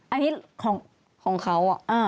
อันนี้ของเขา